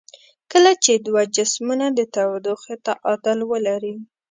کله چې دوه جسمونه د تودوخې تعادل ولري.